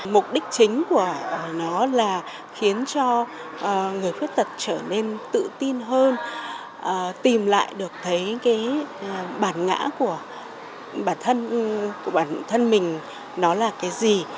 mục đích chính của nó là khiến cho người khuyết tật trở nên tự tin hơn tìm lại được thấy bản ngã của bản thân mình là cái gì